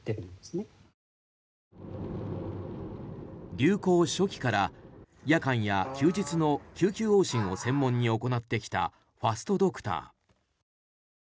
流行初期から夜間や休日の救急往診を専門に行ってきたファストドクター。